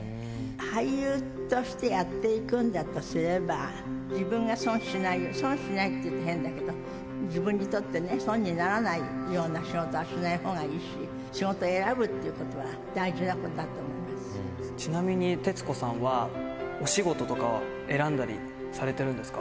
俳優としてやっていくんだとすれば、自分が損しない、損しないって言うと変だけど、自分にとって損にならないような仕事はしないほうがいいし、仕事を選ぶっていうことは大事なちなみに徹子さんは、お仕事とかは選んだりされてるんですか？